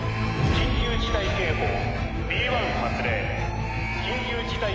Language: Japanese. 緊急事態警報Ｂ１発令。